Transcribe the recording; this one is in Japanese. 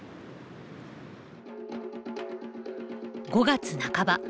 ５月半ば。